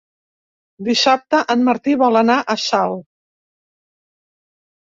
Dissabte en Martí vol anar a Salt.